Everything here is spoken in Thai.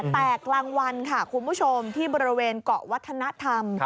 แต่กลางวันค่ะคุณผู้ชมที่บริเวณเกาะวัฒนธรรม